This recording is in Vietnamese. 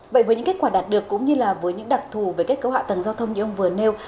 vậy với những kết quả đạt được cũng như là với những đặc thù về kết cấu hạ tầng giao thông như ông vừa nêu